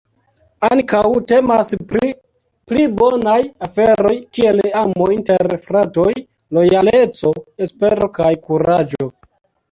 Ankaŭ temas pri pli bonaj aferoj kiel amo inter fratoj, lojaleco, espero kaj kuraĝo.